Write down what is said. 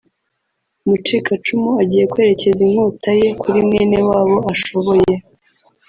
Umucikacumu agiye kwerekeza inkota ye kuri mwene wabo ashoboye